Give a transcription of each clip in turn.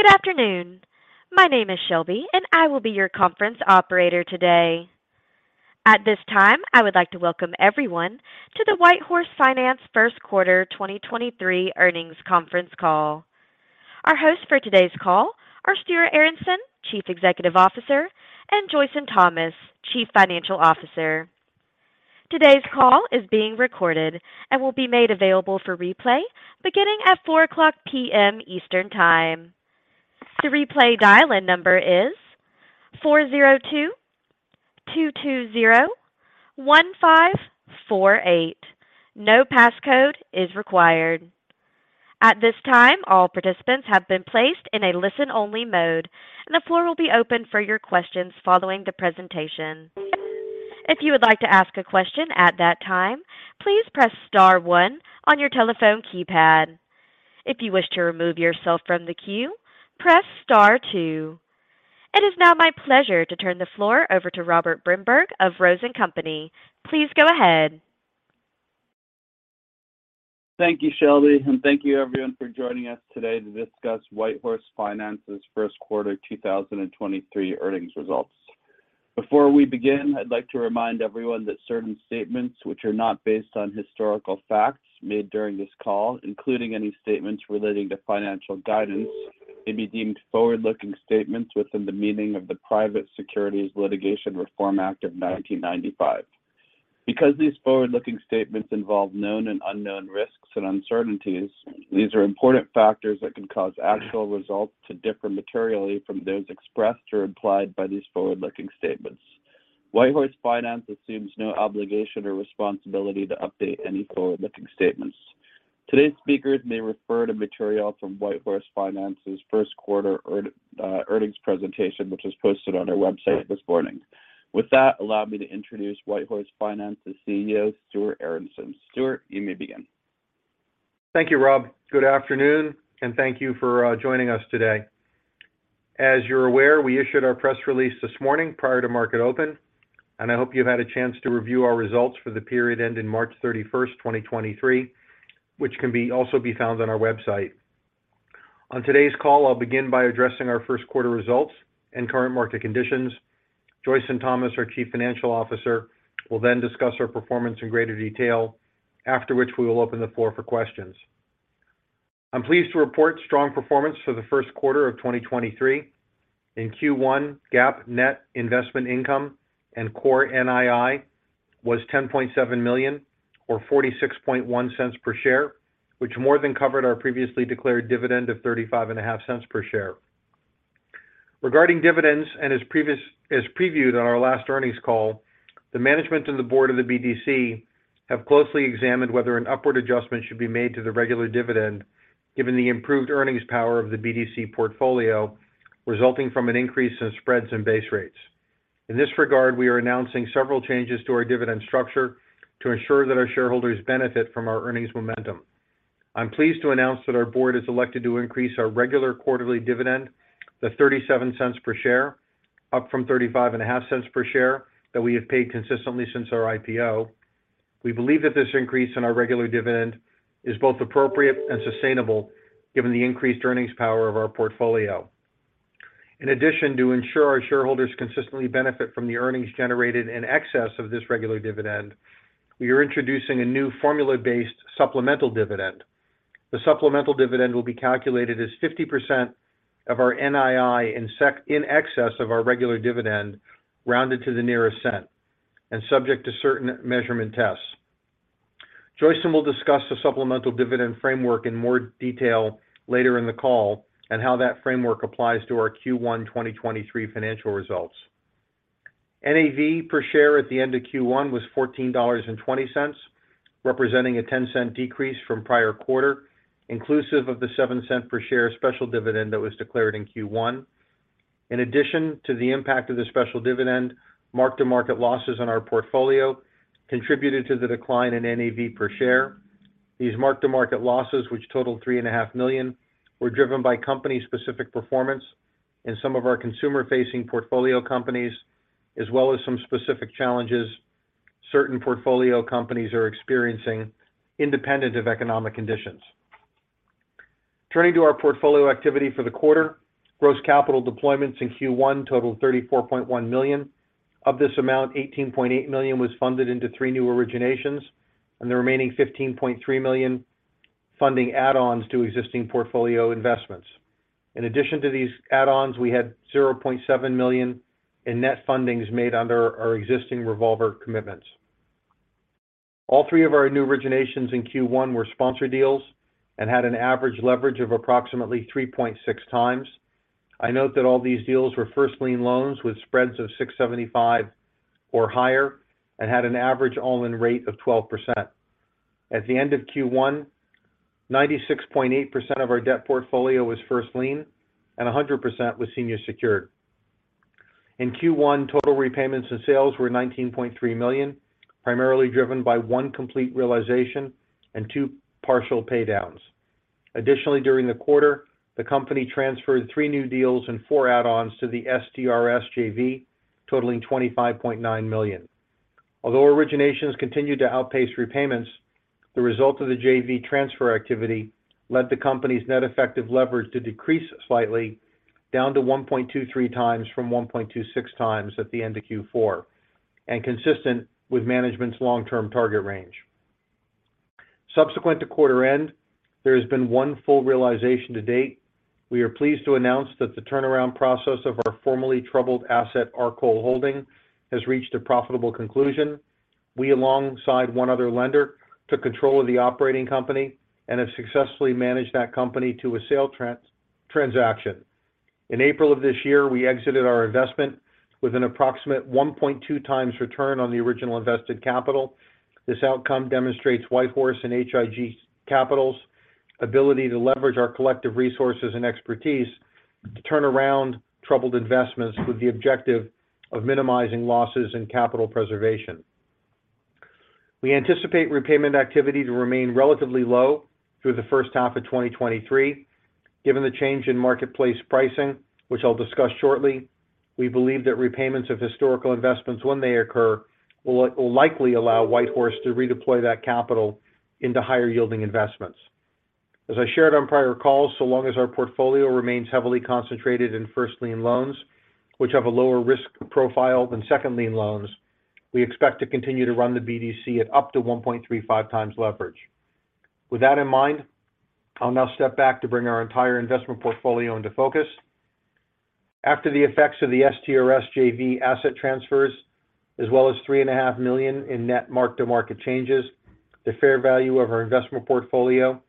Good afternoon. My name is Shelby, and I will be your conference operator today. At this time, I would like to welcome everyone to the WhiteHorse Finance first quarter 2023 earnings conference call. Our hosts for today's call are Stuart Aronson, Chief Executive Officer, and Joyson Thomas, Chief Financial Officer. Today's call is being recorded and will be made available for replay beginning at 4:00 P.M. Eastern Time. The replay dial-in number is 402-220-1548. No passcode is required. At this time, all participants have been placed in a listen-only mode, and the floor will be open for your questions following the presentation. If you would like to ask a question at that time, please press star one on your telephone keypad. If you wish to remove yourself from the queue, press star two. It is now my pleasure to turn the floor over to Robert Brinberg of Rose & Company. Please go ahead. Thank you, Shelby, thank you everyone for joining us today to discuss WhiteHorse Finance's first quarter 2023 earnings results. Before we begin, I'd like to remind everyone that certain statements which are not based on historical facts made during this call, including any statements relating to financial guidance, may be deemed forward-looking statements within the meaning of the Private Securities Litigation Reform Act of 1995. These forward-looking statements involve known and unknown risks and uncertainties, these are important factors that could cause actual results to differ materially from those expressed or implied by these forward-looking statements. WhiteHorse Finance assumes no obligation or responsibility to update any forward-looking statements. Today's speakers may refer to material from WhiteHorse Finance's first quarter earnings presentation, which was posted on our website this morning. With that, allow me to introduce WhiteHorse Finance's CEO, Stuart Aronson. Stuart, you may begin. Thank you, Rob. Good afternoon, thank you for joining us today. As you're aware, we issued our press release this morning prior to market open. I hope you've had a chance to review our results for the period March 31st, 2023, which also be found on our website. On today's call, I'll begin by addressing our first quarter results and current market conditions. Joyson Thomas, our Chief Financial Officer, will discuss our performance in greater detail. After which, we will open the floor for questions. I'm pleased to report strong performance for the first quarter of 2023. In Q1, GAAP net investment income and core NII was $10.7 million or $0.461 per share, which more than covered our previously declared dividend of $0.355 per share. Regarding dividends, as previewed on our last earnings call, the management and the board of the BDC have closely examined whether an upward adjustment should be made to the regular dividend given the improved earnings power of the BDC portfolio resulting from an increase in spreads and base rates. In this regard, we are announcing several changes to our dividend structure to ensure that our shareholders benefit from our earnings momentum. I'm pleased to announce that our board has elected to increase our regular quarterly dividend to $0.37 per share, up from $0.355 per share that we have paid consistently since our IPO. We believe that this increase in our regular dividend is both appropriate and sustainable given the increased earnings power of our portfolio. To ensure our shareholders consistently benefit from the earnings generated in excess of this regular dividend, we are introducing a new formula-based supplemental dividend. The supplemental dividend will be calculated as 50% of our NII in excess of our regular dividend, rounded to the nearest cent, and subject to certain measurement tests. Joyson will discuss the supplemental dividend framework in more detail later in the call and how that framework applies to our Q1 2023 financial results. NAV per share at the end of Q1 was $14.20, representing a $0.10 decrease from prior quarter, inclusive of the $0.07 per share special dividend that was declared in Q1. To the impact of the special dividend, mark-to-market losses on our portfolio contributed to the decline in NAV per share. These mark-to-market losses, which totaled $3.5 million, were driven by company-specific performance in some of our consumer-facing portfolio companies, as well as some specific challenges certain portfolio companies are experiencing independent of economic conditions. Turning to our portfolio activity for the quarter, gross capital deployments in Q1 totaled $34.1 million. Of this amount, $18.8 million was funded into three new originations, and the remaining $15.3 million funding add-ons to existing portfolio investments. In addition to these add-ons, we had $0.7 million in net fundings made under our existing revolver commitments. All three of our new originations in Q1 were sponsor deals and had an average leverage of approximately 3.6x. I note that all these deals were first lien loans with spreads of 675 or higher and had an average all-in rate of 12%. At the end of Q1, 96.8% of our debt portfolio was first lien and 100% was senior secured. In Q1, total repayments and sales were $19.3 million, primarily driven by one complete realization and two partial paydowns. Additionally, during the quarter, the company transferred three new deals and four add-ons to the STRS JV, totaling $25.9 million. Although originations continue to outpace repayments, the result of the JV transfer activity led the company's net effective leverage to decrease slightly down to 1.23x from 1.26x at the end of Q4, and consistent with management's long-term target range. Subsequent to quarter end, there has been one full realization to date. We are pleased to announce that the turnaround process of our formerly troubled asset, Arcole Holding, has reached a profitable conclusion. We, alongside one other lender, took control of the operating company and have successfully managed that company to a sale transaction. In April of this year, we exited our investment with an approximate 1.2x return on the original invested capital. This outcome demonstrates WhiteHorse and H.I.G. Capital's ability to leverage our collective resources and expertise to turn around troubled investments with the objective of minimizing losses and capital preservation. We anticipate repayment activity to remain relatively low through the first half of 2023. Given the change in marketplace pricing, which I'll discuss shortly, we believe that repayments of historical investments when they occur will likely allow WhiteHorse to redeploy that capital into higher-yielding investments. As I shared on prior calls, so long as our portfolio remains heavily concentrated in first lien loans, which have a lower risk profile than second lien loans, we expect to continue to run the BDC at up to 1.35x leverage. With that in mind, I'll now step back to bring our entire investment portfolio into focus. After the effects of the STRS JV asset transfers, as well as $3.5 million in net mark-to-market changes, the fair value of our investment portfolio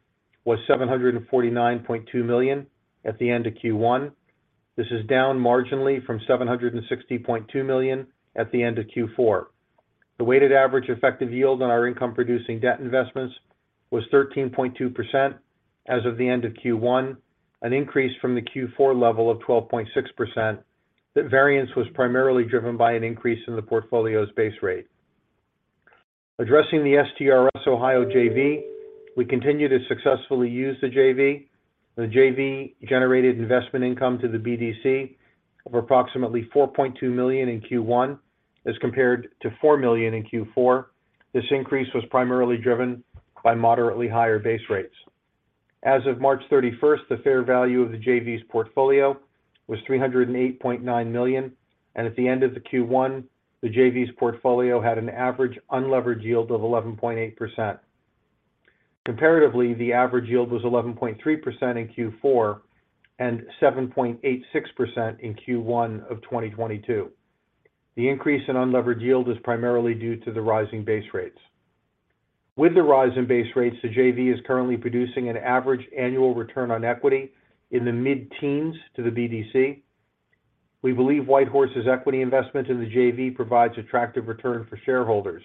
was $749.2 million at the end of Q1. This is down marginally from $760.2 million at the end of Q4. The weighted average effective yield on our income-producing debt investments was 13.2% as of the end of Q1, an increase from the Q4 level of 12.6%. The variance was primarily driven by an increase in the portfolio's base rate. Addressing the STRS Ohio JV, we continue to successfully use the JV. The JV generated investment income to the BDC of approximately $4.2 million in Q1 as compared to $4 million in Q4. This increase was primarily driven by moderately higher base rates. As March 31st, the fair value of the JV's portfolio was $308.9 million, and at the end of the Q1, the JV's portfolio had an average unlevered yield of 11.8%. Comparatively, the average yield was 11.3% in Q4 and 7.86% in Q1 of 2022. The increase in unlevered yield is primarily due to the rising base rates. With the rise in base rates, the JV is currently producing an average annual return on equity in the mid-teens to the BDC. We believe WhiteHorse's equity investment in the JV provides attractive return for shareholders.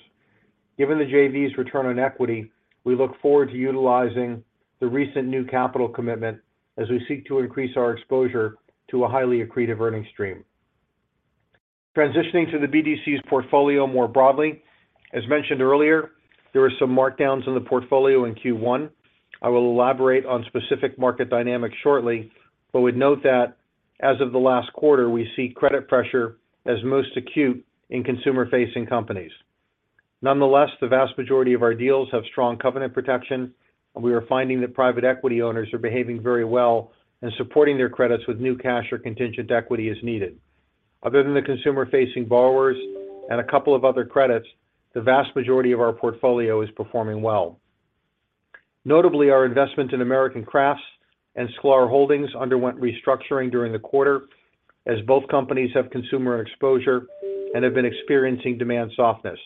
Given the JV's return on equity, we look forward to utilizing the recent new capital commitment as we seek to increase our exposure to a highly accretive earning stream. Transitioning to the BDC's portfolio more broadly, as mentioned earlier, there were some markdowns in the portfolio in Q1. I will elaborate on specific market dynamics shortly, would note that as of the last quarter, we see credit pressure as most acute in consumer-facing companies. Nonetheless, the vast majority of our deals have strong covenant protection, and we are finding that private equity owners are behaving very well and supporting their credits with new cash or contingent equity as needed. Other than the consumer-facing borrowers and a couple of other credits, the vast majority of our portfolio is performing well. Notably, our investment in American Crafts and Sklar Holdings underwent restructuring during the quarter as both companies have consumer exposure and have been experiencing demand softness.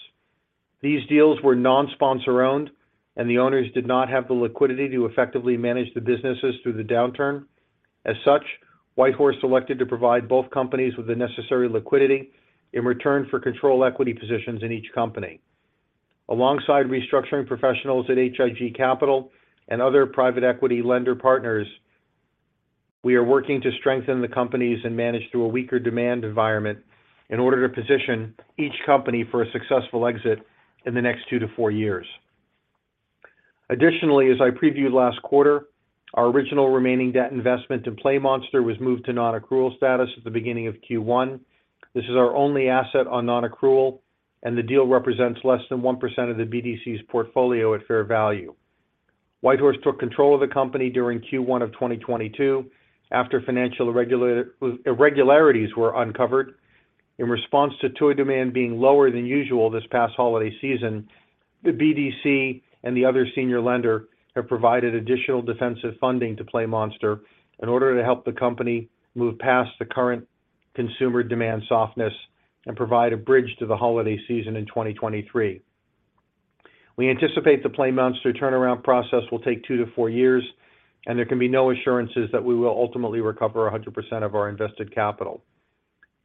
These deals were non-sponsor owned, and the owners did not have the liquidity to effectively manage the businesses through the downturn. As such, WhiteHorse elected to provide both companies with the necessary liquidity in return for control equity positions in each company. Alongside restructuring professionals at H.I.G. Capital and other private equity lender partners, we are working to strengthen the companies and manage through a weaker demand environment in order to position each company for a successful exit in the next two to four years. As I previewed last quarter, our original remaining debt investment in PlayMonster was moved to non-accrual status at the beginning of Q1. This is our only asset on non-accrual, the deal represents less than 1% of the BDC's portfolio at fair value. WhiteHorse took control of the company during Q1 of 2022 after financial irregularities were uncovered. In response to toy demand being lower than usual this past holiday season, the BDC and the other senior lender have provided additional defensive funding to PlayMonster in order to help the company move past the current consumer demand softness and provide a bridge to the holiday season in 2023. We anticipate the PlayMonster turnaround process will take two to four years, there can be no assurances that we will ultimately recover 100% of our invested capital.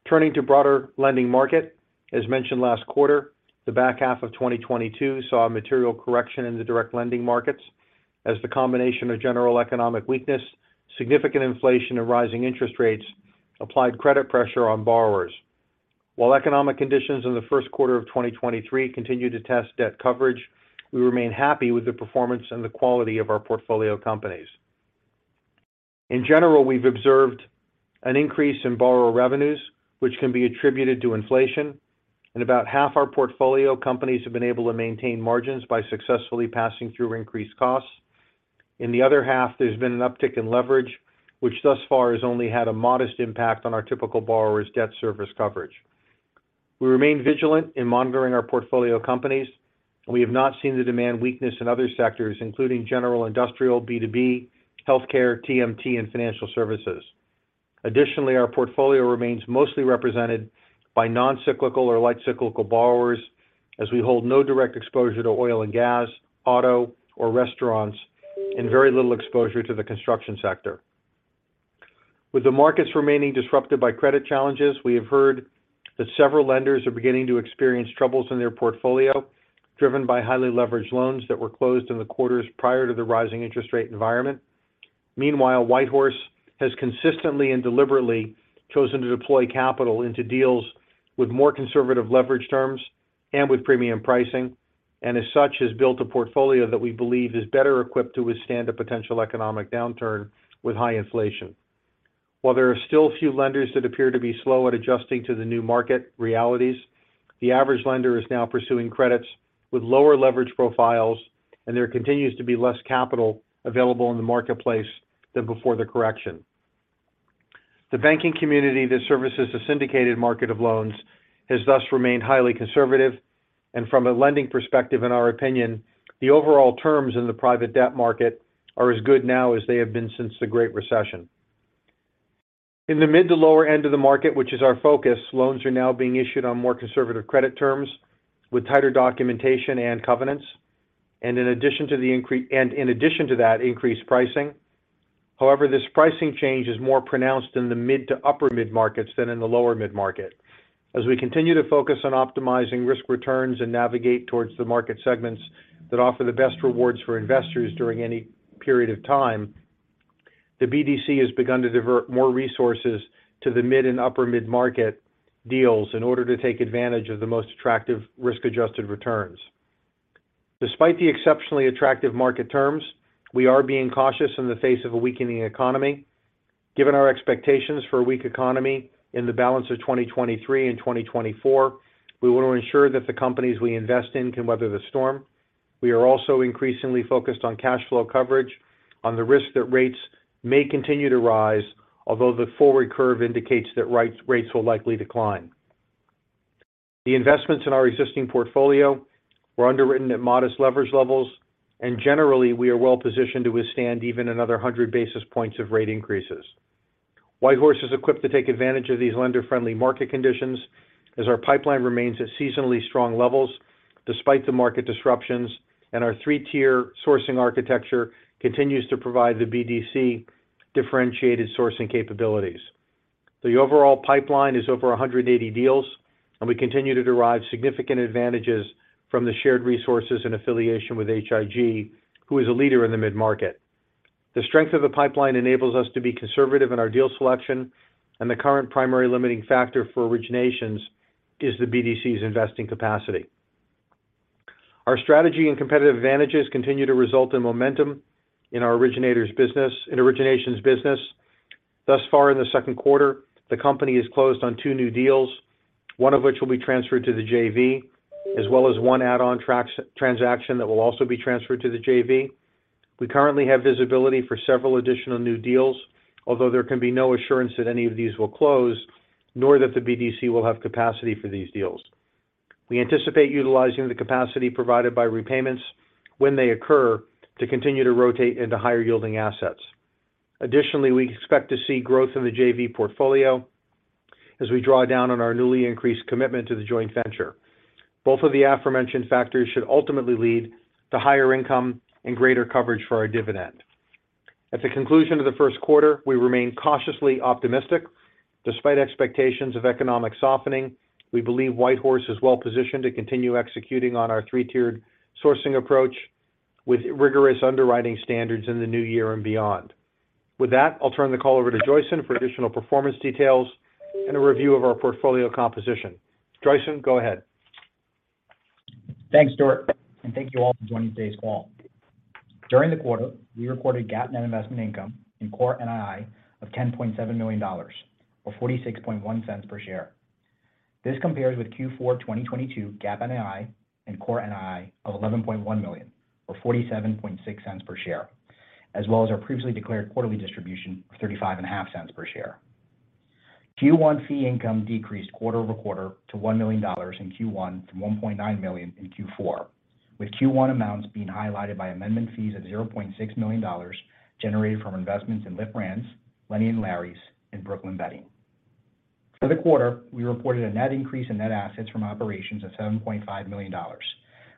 Turning to broader lending market, as mentioned last quarter, the back half of 2022 saw a material correction in the direct lending markets as the combination of general economic weakness, significant inflation and rising interest rates applied credit pressure on borrowers. While economic conditions in the first quarter of 2023 continue to test debt coverage, we remain happy with the performance and the quality of our portfolio companies. In general, we've observed an increase in borrower revenues, which can be attributed to inflation. In about half our portfolio, companies have been able to maintain margins by successfully passing through increased costs. In the other half, there's been an uptick in leverage, which thus far has only had a modest impact on our typical borrower's debt service coverage. We remain vigilant in monitoring our portfolio companies. We have not seen the demand weakness in other sectors, including general industrial, B2B, healthcare, TMT, and financial services. Our portfolio remains mostly represented by non-cyclical or light cyclical borrowers as we hold no direct exposure to oil and gas, auto or restaurants, and very little exposure to the construction sector. With the markets remaining disrupted by credit challenges, we have heard that several lenders are beginning to experience troubles in their portfolio, driven by highly leveraged loans that were closed in the quarters prior to the rising interest rate environment. Meanwhile, WhiteHorse has consistently and deliberately chosen to deploy capital into deals with more conservative leverage terms and with premium pricing, and as such, has built a portfolio that we believe is better equipped to withstand a potential economic downturn with high inflation. While there are still a few lenders that appear to be slow at adjusting to the new market realities, the average lender is now pursuing credits with lower leverage profiles, and there continues to be less capital available in the marketplace than before the correction. The banking community that services the syndicated market of loans has thus remained highly conservative. From a lending perspective, in our opinion, the overall terms in the private debt market are as good now as they have been since the Great Recession. In the mid to lower end of the market, which is our focus, loans are now being issued on more conservative credit terms with tighter documentation and covenants, and in addition to that, increased pricing. This pricing change is more pronounced in the mid to upper mid markets than in the lower mid-market. As we continue to focus on optimizing risk returns and navigate towards the market segments that offer the best rewards for investors during any period of time, the BDC has begun to divert more resources to the mid and upper mid-market deals in order to take advantage of the most attractive risk-adjusted returns. Despite the exceptionally attractive market terms, we are being cautious in the face of a weakening economy. Given our expectations for a weak economy in the balance of 2023 and 2024, we want to ensure that the companies we invest in can weather the storm. We are also increasingly focused on cash flow coverage on the risk that rates may continue to rise, although the forward curve indicates that rates will likely decline. The investments in our existing portfolio were underwritten at modest leverage levels. Generally, we are well positioned to withstand even another 100 basis points of rate increases. WhiteHorse is equipped to take advantage of these lender-friendly market conditions as our pipeline remains at seasonally strong levels despite the market disruptions. Our three-tier sourcing architecture continues to provide the BDC differentiated sourcing capabilities. The overall pipeline is over 180 deals, and we continue to derive significant advantages from the shared resources and affiliation with H.I.G., who is a leader in the mid-market. The strength of the pipeline enables us to be conservative in our deal selection, and the current primary limiting factor for originations is the BDC's investing capacity. Our strategy and competitive advantages continue to result in momentum in our originations business. Thus far in the second quarter, the company has closed on two new deals, one of which will be transferred to the JV, as well as one add-on transaction that will also be transferred to the JV. We currently have visibility for several additional new deals, although there can be no assurance that any of these will close, nor that the BDC will have capacity for these deals. We anticipate utilizing the capacity provided by repayments when they occur to continue to rotate into higher-yielding assets. Additionally, we expect to see growth in the JV portfolio as we draw down on our newly increased commitment to the joint venture. Both of the aforementioned factors should ultimately lead to higher income and greater coverage for our dividend. At the conclusion of the first quarter, we remain cautiously optimistic. Despite expectations of economic softening, we believe WhiteHorse is well positioned to continue executing on our three-tiered sourcing approach with rigorous underwriting standards in the new year and beyond. With that, I'll turn the call over to Joyson for additional performance details and a review of our portfolio composition. Joyson, go ahead. Thanks, Stuart. Thank you all for joining today's call. During the quarter, we recorded GAAP net investment income in core NII of $10.7 million or $0.461 per share. This compares with Q4 2022 GAAP NII and core NII of $11.1 million or $0.476 per share, as well as our previously declared quarterly distribution of $0.355 per share. Q1 fee income decreased quarter-over-quarter to $1 million in Q1 from $1.9 million in Q4, with Q1 amounts being highlighted by amendment fees of $0.6 million generated from investments in Lift Brands, Lenny & Larry's, and Brooklyn Bedding. For the quarter, we reported a net increase in net assets from operations of $7.5 million,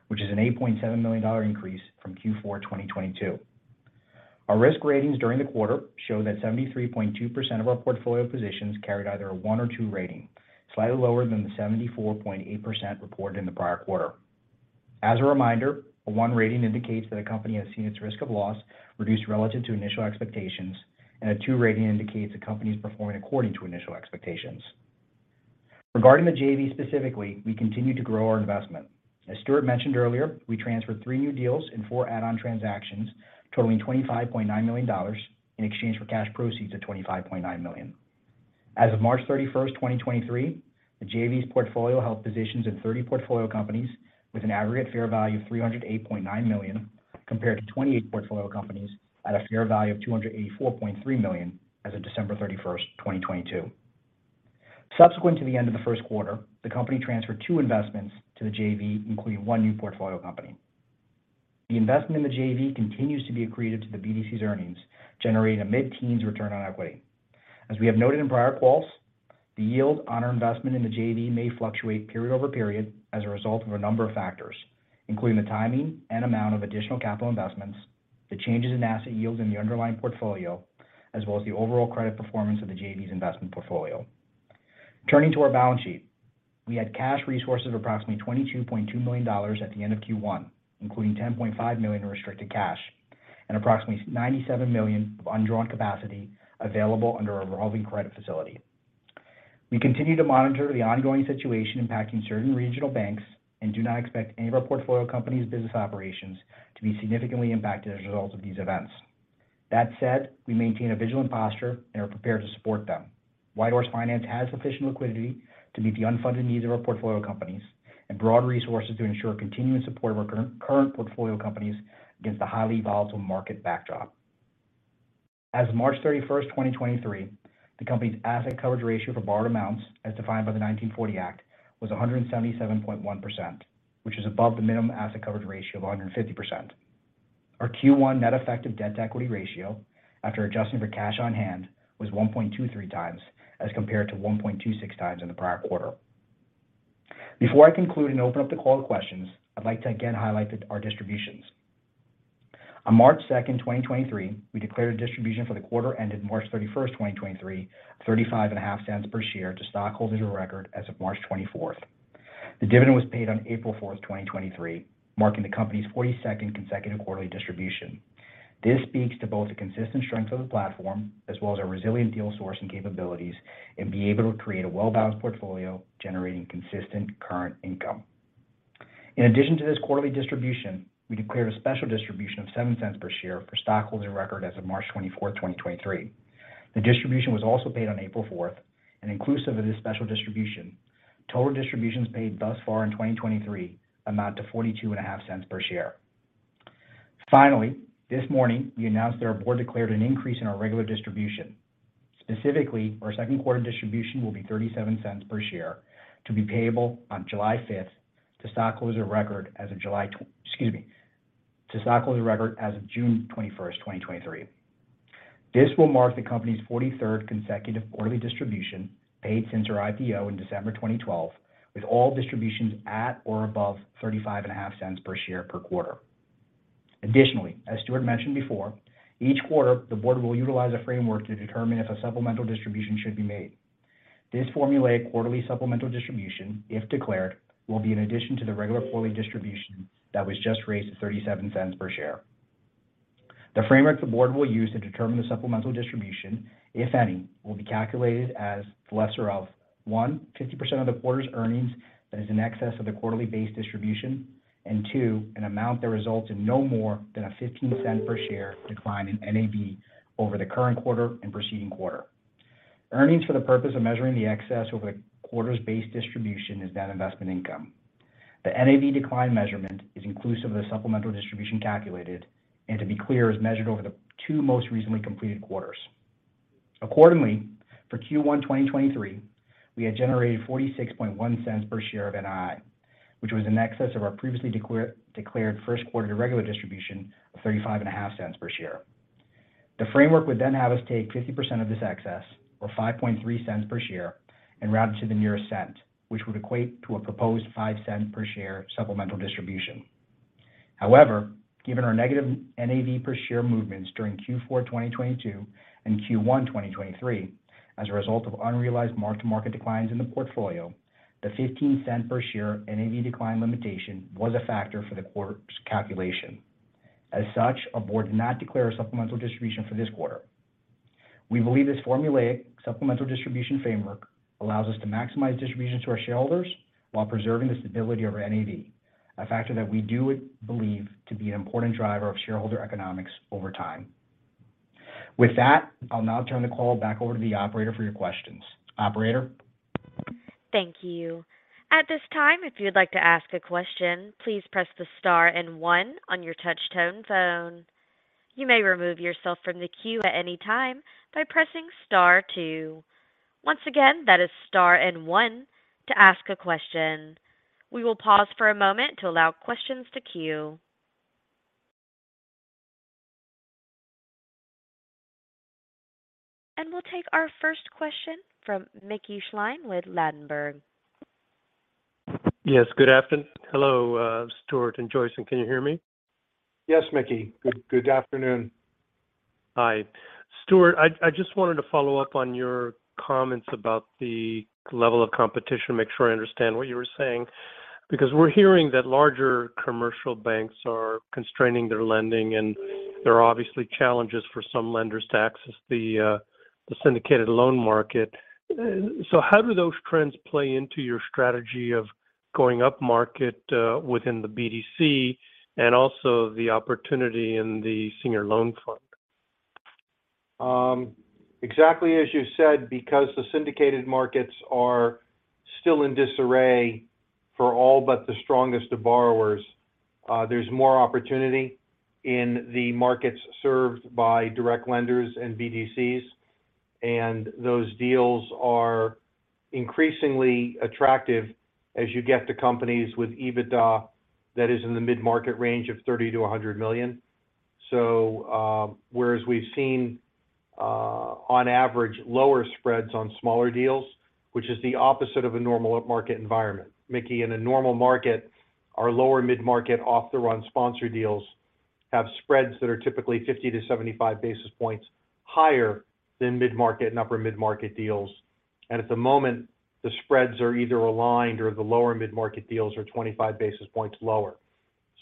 which is an $8.7 million increase from Q4 2022. Our risk ratings during the quarter show that 73.2% of our portfolio positions carried either a one or two rating, slightly lower than the 74.8% reported in the prior quarter. As a reminder, a one rating indicates that a company has seen its risk of loss reduced relative to initial expectations, and a two rating indicates a company is performing according to initial expectations. Regarding the JV specifically, we continue to grow our investment. As Stuart mentioned earlier, we transferred three new deals and four add-on transactions totaling $25.9 million in exchange for cash proceeds of $25.9 million. As March 31st, 2023, the JV's portfolio held positions in 30 portfolio companies with an aggregate fair value of $308.9 million, compared to 28 portfolio companies at a fair value of $284.3 million as of December 31, 2022. Subsequent to the end of the first quarter, the company transferred two investments to the JV, including one new portfolio company. The investment in the JV continues to be accretive to the BDC's earnings, generating a mid-teens return on equity. As we have noted in prior calls, the yield on our investment in the JV may fluctuate period over period as a result of a number of factors, including the timing and amount of additional capital investments, the changes in asset yield in the underlying portfolio, as well as the overall credit performance of the JV's investment portfolio. Turning to our balance sheet, we had cash resources of approximately $22.2 million at the end of Q1, including $10.5 million in restricted cash and approximately $97 million of undrawn capacity available under our revolving credit facility. We continue to monitor the ongoing situation impacting certain regional banks and do not expect any of our portfolio companies' business operations to be significantly impacted as a result of these events. That said, we maintain a vigilant posture and are prepared to support them. WhiteHorse Finance has sufficient liquidity to meet the unfunded needs of our portfolio companies and broad resources to ensure continuing support of our current portfolio companies against a highly volatile market backdrop. As March 31st, 2023, the company's asset coverage ratio for borrowed amounts, as defined by the 1940 Act, was 177.1%, which is above the minimum asset coverage ratio of 150%. Our Q1 net effective debt to equity ratio after adjusting for cash on hand was 1.23x as compared to 1.26x in the prior quarter. Before I conclude and open up the call to questions, I'd like to again highlight our distributions. On March 2nd, 2023, we declared a distribution for the quarter ended March 31st, 2023, $0.355 per share to stockholders of record as of March 24th. The dividend was paid on April 4th, 2023, marking the company's 42nd consecutive quarterly distribution. This speaks to both the consistent strength of the platform as well as our resilient deal sourcing capabilities in being able to create a well-balanced portfolio generating consistent current income. Inclusive of this quarterly distribution, we declared a special distribution of $0.70 cents per share for stockholders of record as of March 24, 2023. The distribution was also paid on April 4. Inclusive of this special distribution, total distributions paid thus far in 2023 amount to $42.50 per share. Finally, this morning, we announced that our board declared an increase in our regular distribution. Specifically, our second quarter distribution will be $0.37 per share to be payable on July 5th to stockholders of record as of excuse me, to stockholders of record as of June 21st, 2023. This will mark the company's 43rd consecutive quarterly distribution paid since our IPO in December 2012, with all distributions at or above $0.355 per share per quarter. As Stuart mentioned before, each quarter the board will utilize a framework to determine if a supplemental distribution should be made. This formulaic quarterly supplemental distribution, if declared, will be in addition to the regular quarterly distribution that was just raised to $0.37 per share. The framework the board will use to determine the supplemental distribution, if any, will be calculated as the lesser of, one, 50% of the quarter's earnings that is in excess of the quarterly base distribution, and two, an amount that results in no more than a $0.15 per share decline in NAV over the current quarter and preceding quarter. Earnings for the purpose of measuring the excess over a quarter's base distribution is net investment income. The NAV decline measurement is inclusive of the supplemental distribution calculated, and to be clear, is measured over the two most recently completed quarters. For Q1 2023, we had generated $0.461 per share of NII, which was in excess of our previously declared first quarter regular distribution of $0.355 per share. The framework would have us take 50% of this excess, or $0.053 per share, and round it to the nearest cent, which would equate to a proposed $0.05 per share supplemental distribution. Given our negative NAV per share movements during Q4 2022 and Q1 2023 as a result of unrealized mark-to-market declines in the portfolio, the $0.15 per share NAV decline limitation was a factor for the quarter's calculation. As such, our board did not declare a supplemental distribution for this quarter. We believe this formulaic supplemental distribution framework allows us to maximize distributions to our shareholders while preserving the stability of our NAV, a factor that we do believe to be an important driver of shareholder economics over time. With that, I'll now turn the call back over to the operator for your questions. Operator? Thank you. At this time, if you'd like to ask a question, please press the star and one on your touchtone phone. You may remove yourself from the queue at any time by pressing star two. Once again, that is star and one to ask a question. We will pause for a moment to allow questions to queue. We'll take our first question from Mickey Schleien with Ladenburg. Yes. Good afternoon. Hello, Stuart and Joyson. Can you hear me? Yes, Mickey. Good, good afternoon. Hi. Stuart, I just wanted to follow up on your comments about the level of competition, make sure I understand what you were saying, because we're hearing that larger commercial banks are constraining their lending and there are obviously challenges for some lenders to access the syndicated loan market. How do those trends play into your strategy of going upmarket within the BDC and also the opportunity in the senior loan fund? Exactly as you said, because the syndicated markets are still in disarray for all but the strongest of borrowers, there's more opportunity in the markets served by direct lenders and BDCs. Those deals are increasingly attractive as you get to companies with EBITDA that is in the mid-market range of $30 million-$100 million. Whereas we've seen, on average, lower spreads on smaller deals, which is the opposite of a normal upmarket environment. Mickey, in a normal market, our lower mid-market off the run sponsor deals have spreads that are typically 50-75 basis points higher than mid-market and upper mid-market deals. At the moment, the spreads are either aligned or the lower mid-market deals are 25 basis points lower.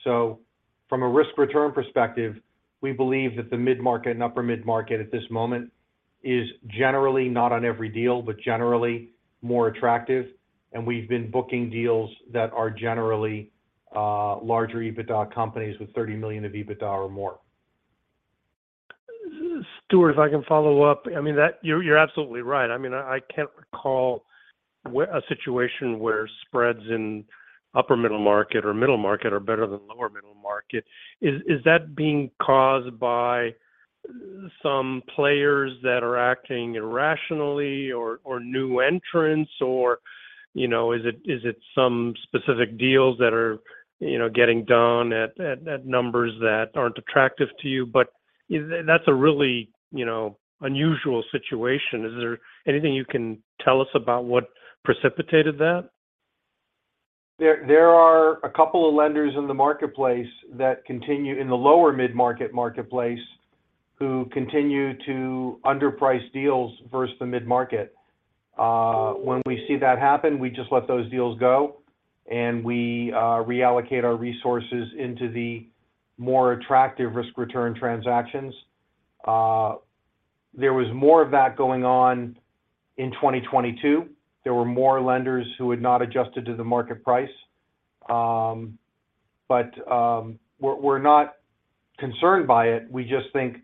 From a risk-return perspective, we believe that the mid-market and upper mid-market at this moment is generally not on every deal, but generally more attractive. We've been booking deals that are generally larger EBITDA companies with $30 million of EBITDA or more. Stuart, if I can follow up. I mean, You're absolutely right. I mean, I can't recall a situation where spreads in upper middle market or middle market are better than lower middle market. Is that being caused by some players that are acting irrationally or new entrants? you know, is it some specific deals that are, you know, getting done at numbers that aren't attractive to you? That's a really, you know, unusual situation. Is there anything you can tell us about what precipitated that? There are a couple of lenders in the marketplace that continue in the lower mid-market marketplace, who continue to underprice deals versus the mid-market. When we see that happen, we just let those deals go, and we reallocate our resources into the more attractive risk return transactions. There was more of that going on in 2022. There were more lenders who had not adjusted to the market price. We're not concerned by it. We just think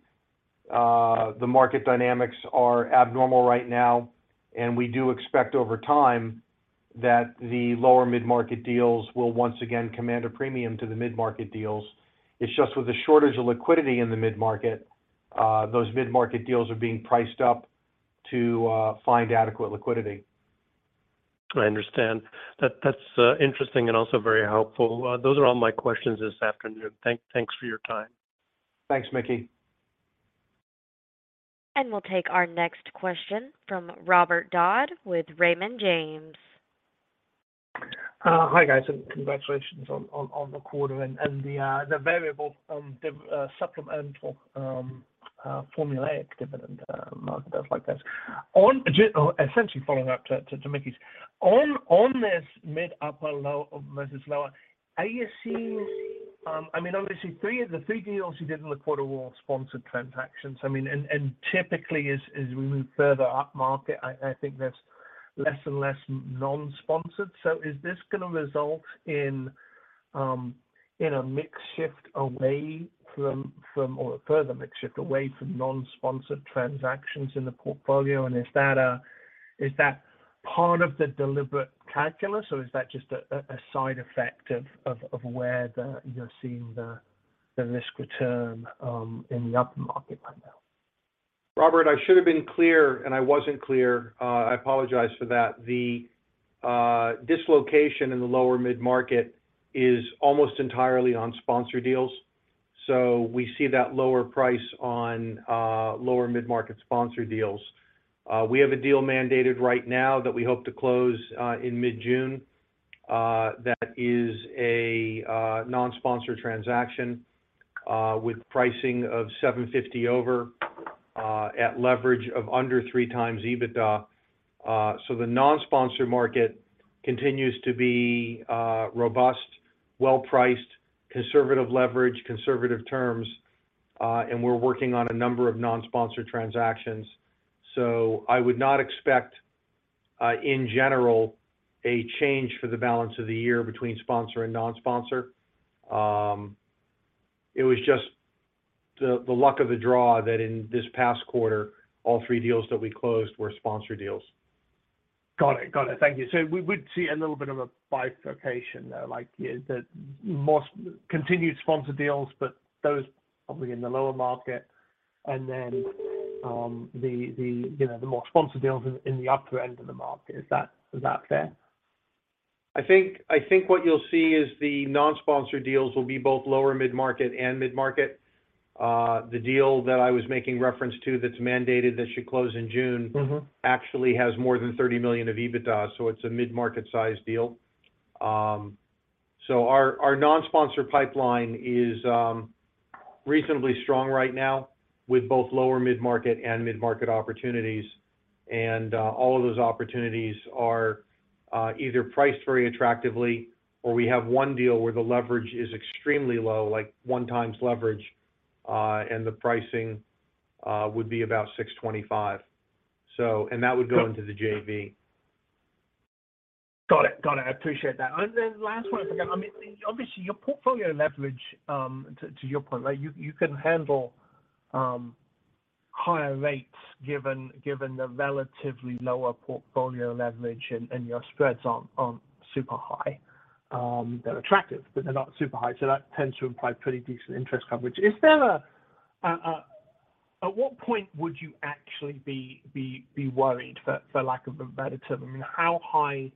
the market dynamics are abnormal right now, and we do expect over time that the lower mid-market deals will once again command a premium to the mid-market deals. It's just with the shortage of liquidity in the mid-market, those mid-market deals are being priced up to find adequate liquidity. I understand. That's interesting and also very helpful. Those are all my questions this afternoon. Thanks for your time. Thanks, Mickey. We'll take our next question from Robert Dodd with Raymond James. Hi, guys, and congratulations on the quarter and the variable supplemental formulaic dividend markups like this. Essentially following up to Mickey's. On this mid upper low versus lower, are you seeing? I mean, obviously, three deals you did in the quarter were all sponsored transactions. I mean, and typically, as we move further upmarket, I think there's less and less non-sponsored. Is this gonna result in a mix shift away from or a further mix shift away from non-sponsored transactions in the portfolio? Is that part of the deliberate calculus, or is that just a side effect of where you're seeing the risk return in the upper market right now? Robert, I should have been clear, and I wasn't clear. I apologize for that. The dislocation in the lower mid-market is almost entirely on sponsored deals. We see that lower price on lower mid-market sponsored deals. We have a deal mandated right now that we hope to close in mid-June that is a non-sponsor transaction with pricing of $7.50 over at leverage of under 3x EBITDA. The non-sponsor market continues to be robust, well-priced, conservative leverage, conservative terms, and we're working on a number of non-sponsor transactions. I would not expect in general, a change for the balance of the year between sponsor and non-sponsor. It was just the luck of the draw that in this past quarter, all three deals that we closed were sponsor deals. Got it. Got it. Thank you. We would see a little bit of a bifurcation, though, like the most continued sponsor deals, but those probably in the lower market. The, you know, the more sponsor deals in the upper end of the market. Is that fair? I think what you'll see is the non-sponsor deals will be both lower mid-market and mid-market. The deal that I was making reference to that's mandated, that should close in June... Mm-hmm... actually has more than $30 million of EBITDA, so it's a mid-market size deal. Our non-sponsor pipeline is reasonably strong right now with both lower mid-market and mid-market opportunities. All of those opportunities are either priced very attractively, or we have one deal where the leverage is extremely low, like 1x leverage, and the pricing would be about 6.25%. That would go into the JV. Got it. Got it. I appreciate that. Then last one, I forgot. I mean, obviously, your portfolio leverage, to your point, like you can handle higher rates given the relatively lower portfolio leverage and your spreads aren't super high. They're attractive, but they're not super high, so that tends to imply pretty decent interest coverage. Is there at what point would you actually be worried, for lack of a better term? I mean, how high,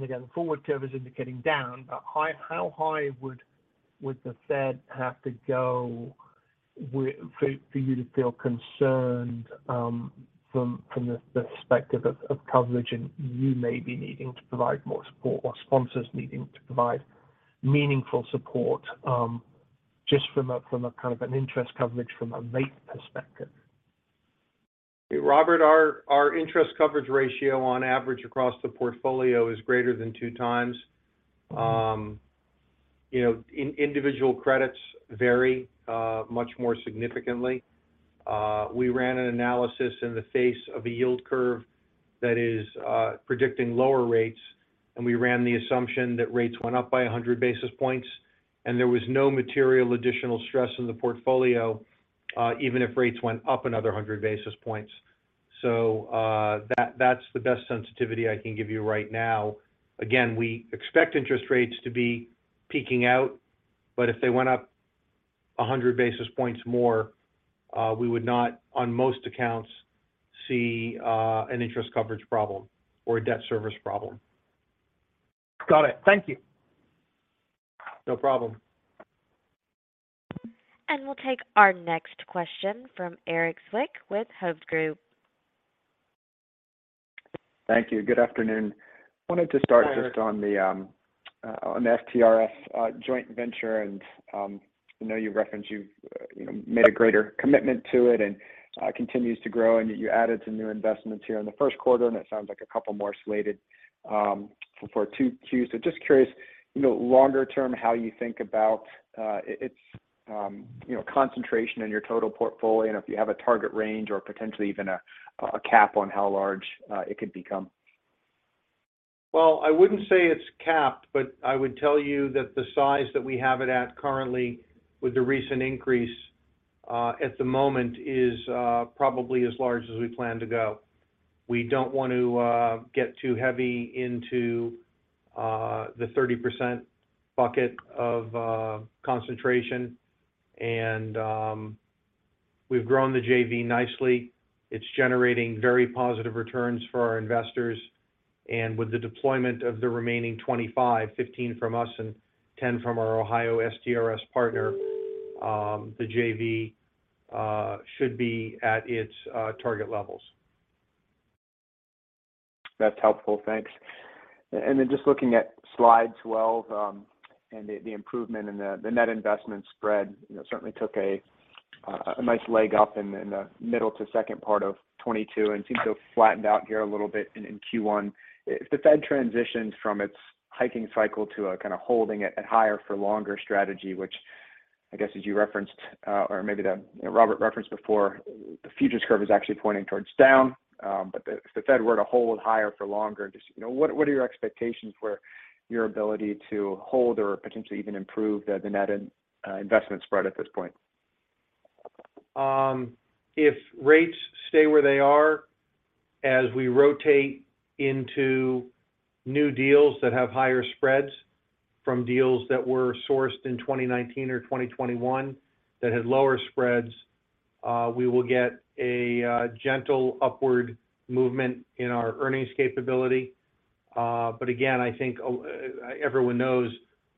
again, the forward curve is indicating down, how high would the Fed have to go for you to feel concerned, from the perspective of coverage and you maybe needing to provide more support or sponsors needing to provide meaningful support, just from a kind of an interest coverage from a rate perspective? Robert, our interest coverage ratio on average across the portfolio is greater than 2x. You know, individual credits vary much more significantly. We ran an analysis in the face of a yield curve that is predicting lower rates, and we ran the assumption that rates went up by 100 basis points, and there was no material additional stress in the portfolio, even if rates went up another 100 basis points. That's the best sensitivity I can give you right now. Again, we expect interest rates to be peaking out, but if they went up 100 basis points more, we would not, on most accounts, see an interest coverage problem or a debt service problem. Got it. Thank you. No problem. We'll take our next question from Erik Zwick with Hovde Group. Thank you. Good afternoon. Hi, Erik. Wanted to start just on the, on the STRS joint venture and I know you referenced you've, you know, made a greater commitment to it and continues to grow and that you added some new investments here in the first quarter, and it sounds like a couple more slated for 2Qs. Just curious, you know, longer term, how you think about its, you know, concentration in your total portfolio and if you have a target range or potentially even a cap on how large it could become? Well, I wouldn't say it's capped, but I would tell you that the size that we have it at currently with the recent increase, at the moment is probably as large as we plan to go. We don't want to get too heavy into the 30% bucket of concentration. We've grown the JV nicely. It's generating very positive returns for our investors. With the deployment of the remaining 25, 15 from us and 10 from our Ohio STRS partner, the JV should be at its target levels. That's helpful. Thanks. Then just looking at slide 12, and the improvement in the net investment spread, you know, certainly took a nice leg up in the middle to second part of 2022 and seems to have flattened out here a little bit in Q1. If the Fed transitions from its hiking cycle to a kind of holding it at higher for longer strategy, which I guess as you referenced, or maybe that Robert referenced before, the futures curve is actually pointing towards down. If the Fed were to hold higher for longer, just, you know, what are your expectations for your ability to hold or potentially even improve the net investment spread at this point? If rates stay where they are as we rotate into new deals that have higher spreads from deals that were sourced in 2019 or 2021 that had lower spreads, we will get a gentle upward movement in our earnings capability. Again, I think everyone knows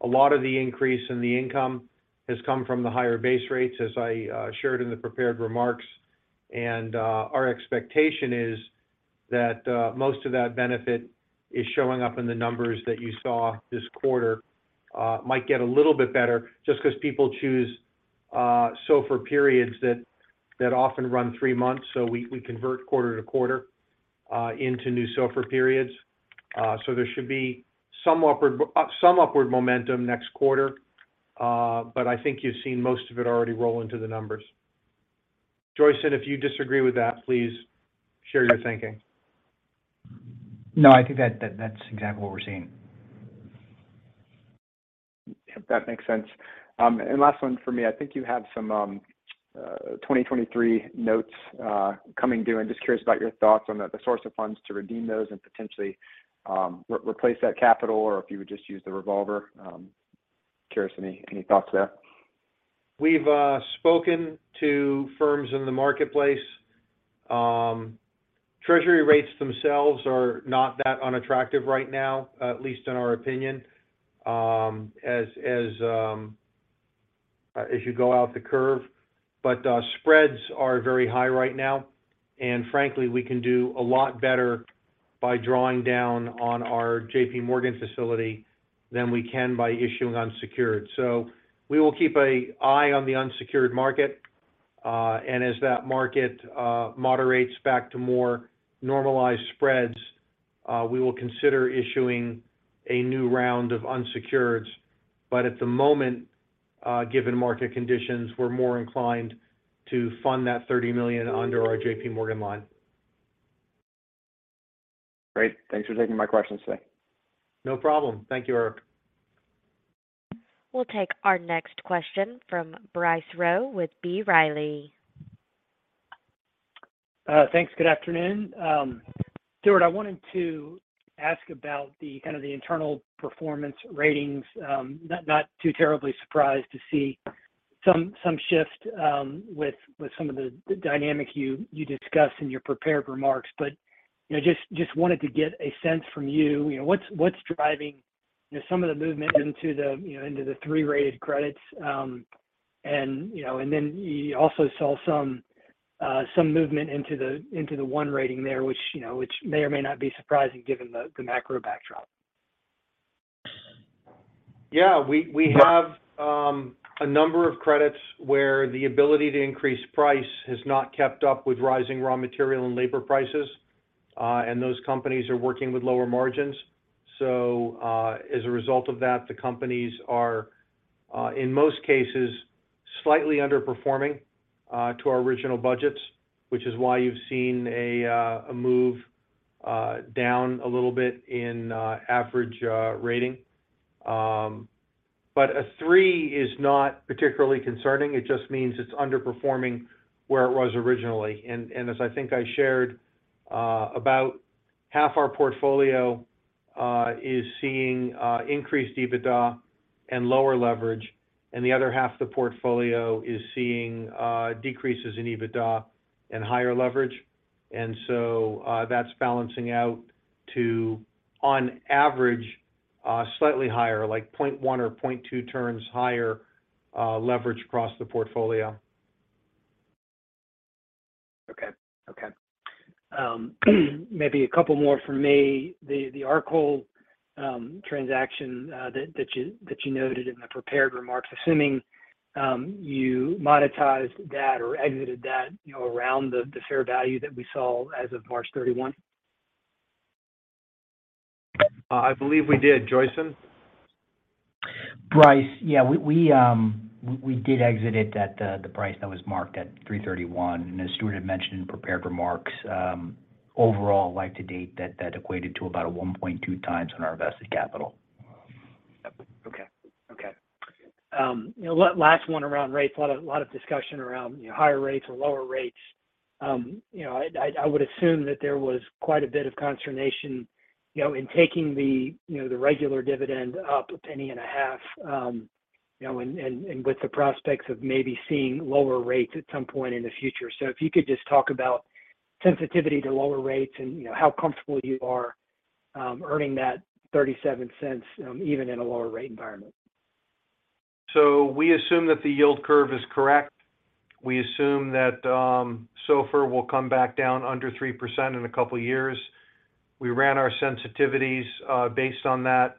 a lot of the increase in the income has come from the higher base rates as I shared in the prepared remarks. Our expectation is that most of that benefit is showing up in the numbers that you saw this quarter, might get a little bit better just 'cause people choose SOFR periods that often run three months. We convert quarter-to-quarter into new SOFR periods. There should be some upward, some upward momentum next quarter, but I think you've seen most of it already roll into the numbers. Joyson, if you disagree with that, please share your thinking. No, I think that's exactly what we're seeing. That makes sense. Last one for me. I think you have some 2023 notes coming due, and just curious about your thoughts on the source of funds to redeem those and potentially re-replace that capital or if you would just use the revolver. Curious any thoughts there. We've spoken to firms in the marketplace. Treasury rates themselves are not that unattractive right now, at least in our opinion, as you go out the curve. Spreads are very high right now. Frankly, we can do a lot betterBy drawing down on our JPMorgan facility than we can by issuing unsecured. We will keep a eye on the unsecured market. As that market moderates back to more normalized spreads, we will consider issuing a new round of unsecureds. At the moment, given market conditions, we're more inclined to fund that $30 million under our JPMorgan line. Great. Thanks for taking my questions today. No problem. Thank you, Erik. We'll take our next question from Bryce Rowe with B. Riley. Thanks. Good afternoon. Stuart, I wanted to ask about the kind of the internal performance ratings. Not too terribly surprised to see some shift with some of the dynamic you discussed in your prepared remarks. You know, just wanted to get a sense from you know, what's driving, you know, some of the movement into the, you know, into the three-rated credits. You also saw some movement into the, into the one rating there, which, you know, which may or may not be surprising given the macro backdrop. Yeah. We have a number of credits where the ability to increase price has not kept up with rising raw material and labor prices, and those companies are working with lower margins. As a result of that, the companies are in most cases, slightly underperforming to our original budgets, which is why you've seen a move down a little bit in average rating. A three is not particularly concerning. It just means it's underperforming where it was originally. As I think I shared, about half our portfolio is seeing increased EBITDA and lower leverage, and the other half of the portfolio is seeing decreases in EBITDA and higher leverage. That's balancing out to, on average, slightly higher, like 0.1 or 0.2 turns higher, leverage across the portfolio. Okay. Okay. Maybe a couple more from me. The Arcole transaction that you noted in the prepared remarks, assuming you monetized that or exited that, you know, around the fair value that we saw as of March 31st? I believe we did. Joyson? Bryce, yeah, we did exit it at the price that was marked at $331. As Stuart had mentioned in prepared remarks, overall, like to date, that equated to about a 1.2x on our invested capital. Okay. Okay. last one around rates. A lot of discussion around, you know, higher rates or lower rates. you know, I, I would assume that there was quite a bit of consternation, you know, in taking the, you know, the regular dividend up a penny and a half, you know, and, and with the prospects of maybe seeing lower rates at some point in the future. If you could just talk about sensitivity to lower rates and, you know, how comfortable you are, earning that $0.37, even in a lower rate environment. We assume that the yield curve is correct. We assume that SOFR will come back down under 3% in a couple years. We ran our sensitivities based on that.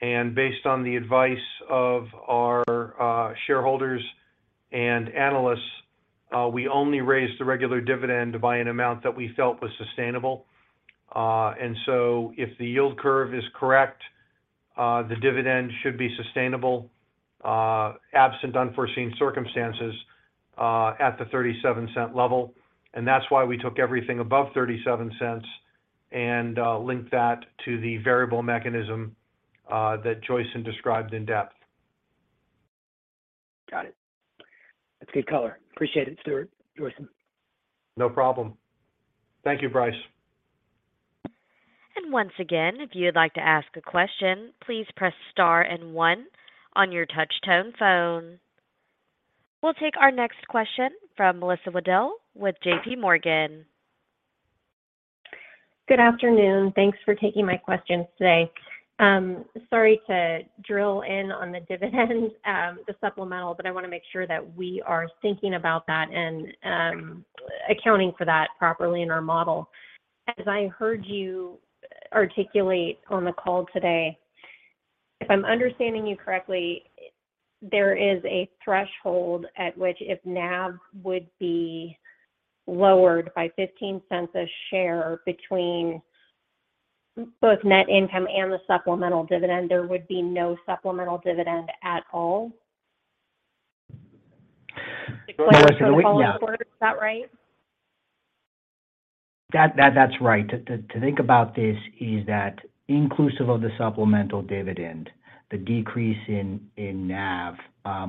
Based on the advice of our shareholders and analysts, we only raised the regular dividend by an amount that we felt was sustainable. If the yield curve is correct, the dividend should be sustainable, absent unforeseen circumstances, at the $0.37 level. That's why we took everything above $0.37 and linked that to the variable mechanism that Joyson described in depth. Got it. That's good color. Appreciate it, Stuart, Joyson. No problem. Thank you, Bryce. Once again, if you would like to ask a question, please press star and one on your touch tone phone. We'll take our next question from Melissa Wedel with JPMorgan. Good afternoon. Thanks for taking my questions today. Sorry to drill in on the dividend, the supplemental, but I wanna make sure that we are thinking about that and accounting for that properly in our model. As I heard you articulate on the call today, if I'm understanding you correctly, there is a threshold at which if NAV would be lowered by $0.15 a share between both net income and the supplemental dividend, there would be no supplemental dividend at all? Melissa, can you. The plan for the following quarter. Is that right? That's right. To think about this is that inclusive of the supplemental dividend, the decrease in NAV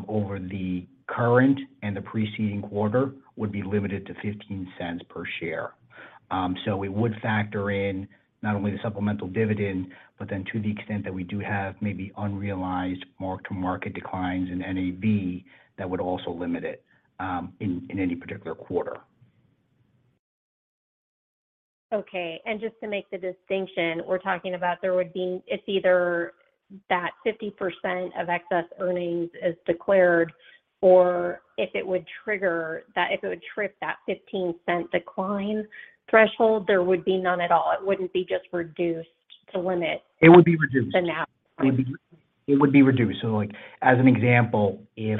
over the current and the preceding quarter would be limited to $0.15 per share. We would factor in not only the supplemental dividend, but then to the extent that we do have maybe unrealized mark-to-market declines in NAV, that would also limit it in any particular quarter. Okay. Just to make the distinction, if either that 50% of excess earnings is declared or if it would trip that $0.15 decline threshold, there would be none at all. It wouldn't be just reduced to limit- It would be reduced. The NAV. It would be reduced. Like, as an example, if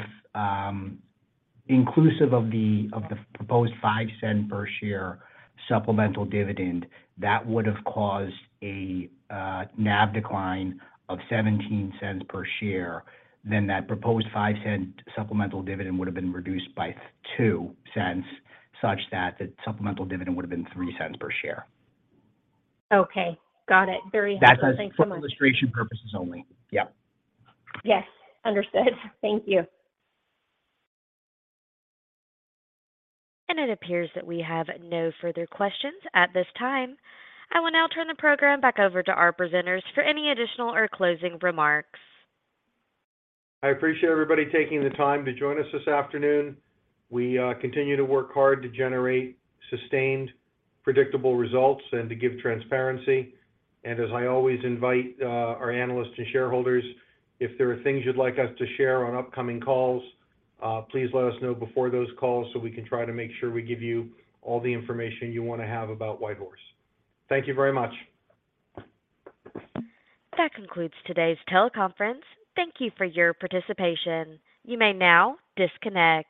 inclusive of the proposed $0.05 per share supplemental dividend, that would have caused a NAV decline of $0.17 per share, that proposed $0.05 supplemental dividend would have been reduced by $0.02, such that the supplemental dividend would have been $0.03 per share. Okay. Got it. Very helpful. That's. Thanks so much.... for illustration purposes only. Yeah. Yes. Understood. Thank you. It appears that we have no further questions at this time. I will now turn the program back over to our presenters for any additional or closing remarks. I appreciate everybody taking the time to join us this afternoon. We continue to work hard to generate sustained, predictable results and to give transparency. As I always invite our analysts and shareholders, if there are things you'd like us to share on upcoming calls, please let us know before those calls so we can try to make sure we give you all the information you wanna have about WhiteHorse. Thank you very much. That concludes today's teleconference. Thank you for your participation. You may now disconnect.